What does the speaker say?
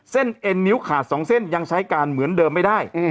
เอ็นนิ้วขาด๒เส้นยังใช้การเหมือนเดิมไม่ได้